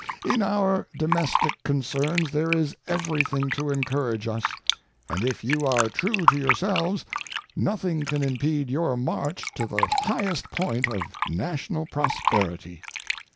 In our domestic concerns there is everything to encourage us, and if you are true to yourselves nothing can impede your march to the highest point of national prosperity.